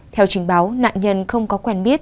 theo trình báo nạn nhân không có quen biết